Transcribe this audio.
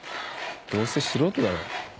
どうせ素人だろ。